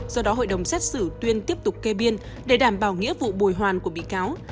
do đó hội đồng xét xử tuyên tiếp tục kê biên để đảm bảo nghĩa vụ bồi hoàn của bị cáo